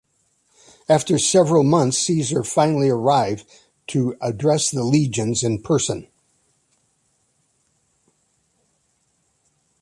After several months, Caesar finally arrived to address the legions in person.